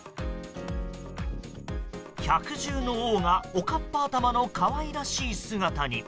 百獣の王がおかっぱ頭の可愛らしい姿に。